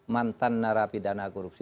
mantan narapidana korupsi